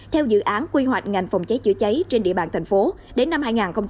theo dự án quy hoạch ngành phòng cháy chữa cháy trên địa bàn thành phố đến năm hai nghìn ba mươi